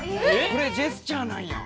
これジェスチャーなんや！